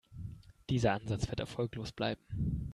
Dieser Ansatz wird erfolglos bleiben.